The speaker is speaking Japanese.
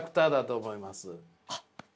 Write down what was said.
あっ。